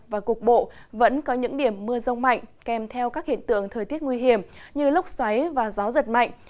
và cục bộ vẫn có những điểm mưa rông mạnh kèm theo các hiện tượng thời tiết nguy hiểm như lốc xoáy và gió giật mạnh